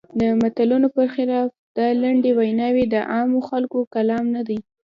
د متلونو پر خلاف دا لنډې ویناوی د عامو خلکو کلام نه دی.